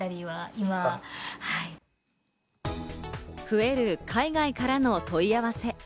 増える海外からの問い合わせ。